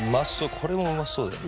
これもうまそうだよね。